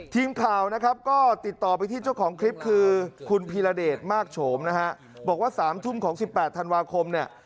ทีมข่าวนะครับก็ติดต่อไปที่เจ้าของคลิปคือคุณพีรเดชมากโฉมนะฮะบอกว่า๓ทุ่มของ๑๘ธันวาคมเนี่ย